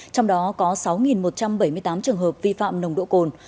trong đó có sáu một trăm bảy mươi tám trường hợp vi phạm nồng độ cồn